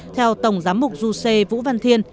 theo tổng giám mục giuse vũ văn thiên